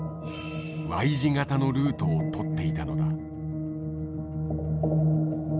Ｙ字型のルートを取っていたのだ。